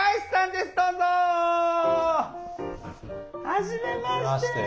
はじめまして。